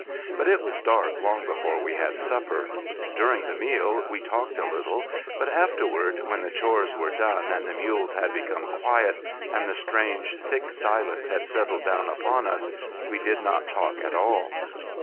But it was dark long before we had supper. During the meal we talked a little, but afterward, when the chores were done, and the mules had become quiet, and the strange thick silence had settled down upon us, we did not talk at all.